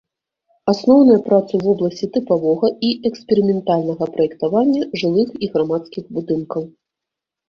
Асноўныя працы ў вобласці тыпавога і эксперыментальнага праектавання жылых і грамадскіх будынкаў.